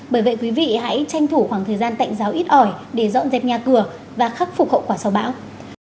bởi vậy quý vị hãy tranh thủ khoảng thời gian tạnh giáo ít ỏi để dọn dẹp nhà cửa và khắc phục hậu quả sau bão